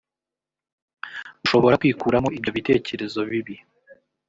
ushobora kwikuramo ibyo bitekerezo bibi